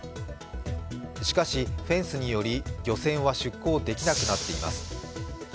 しかし、フェンスにより漁船は出航できなくなっています。